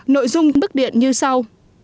nội dung bức điện như sau